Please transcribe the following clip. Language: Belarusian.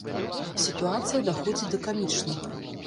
Сітуацыя даходзіць да камічнага.